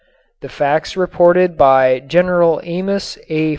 The facts reported by General Amos A.